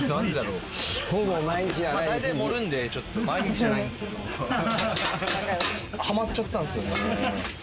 だいたい話は盛るんで毎日じゃないんですけど、ハマっちゃったんですよね。